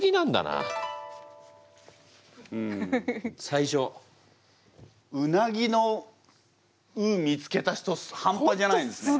最初うなぎの「う」見つけた人半端じゃないですね。